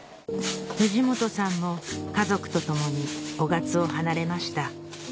藤本さんも家族と共に雄勝を離れました